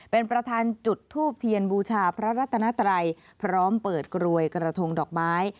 เป็นประธานจุดทูบเทียนบูชาพระรัตนัตรัยพร้อมเปิดกรวยกระทงดอกไม้